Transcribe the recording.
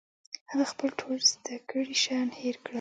هغه خپل ټول زده کړي شیان هېر کړل